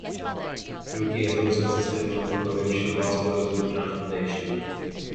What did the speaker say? Turkey has also assisted one of the Provincial Hospitals with transportation.